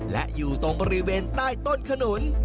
และอยู่ตรงบริเวณใต้ต้นขนุน